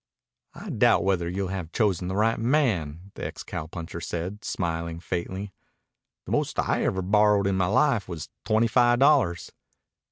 "I doubt whether you've chosen the right man," the ex cowpuncher said, smiling faintly. "The most I ever borrowed in my life was twenty five dollars."